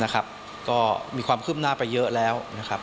ก็มีความขึ้นหน้าไปเยอะแล้ว